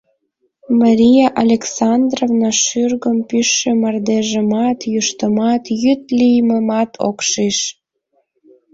Мария Александровна шӱргым пӱчшӧ мардежымат, йӱштымат, йӱд лиймымат ок шиж.